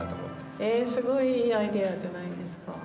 えすごいいいアイデアじゃないですか。